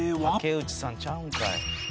「竹内さんちゃうんかい」